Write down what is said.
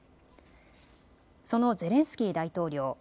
そのゼレンスキー大統領。